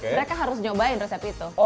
mereka harus nyobain resep itu